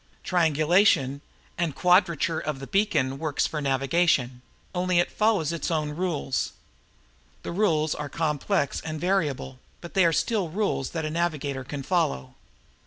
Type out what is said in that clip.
Triangulation and quadrature of the beacons works for navigation only it follows its own rules. The rules are complex and variable, but they are still rules that a navigator can follow.